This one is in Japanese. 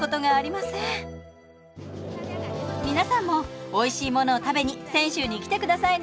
皆さんもおいしい物を食べに泉州に来てくださいね。